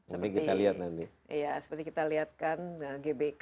seperti kita lihat kan gbk